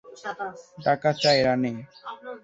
টাকা চাই রানী!